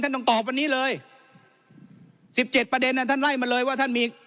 ต้องตอบวันนี้เลยสิบเจ็ดประเด็นอ่ะท่านไล่มาเลยว่าท่านมี